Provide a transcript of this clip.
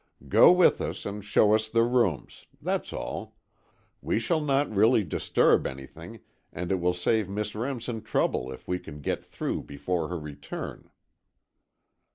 "Go with us and show us the rooms. That's all. We shall not really disturb anything and it will save Miss Remsen trouble if we can get through before her return."